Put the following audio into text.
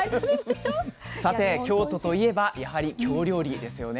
さて京都といえばやはり京料理ですよね。